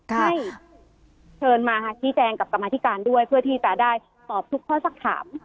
ให้เชิญมาชี้แจงกับกรรมธิการด้วยเพื่อที่จะได้ตอบทุกข้อสักถาม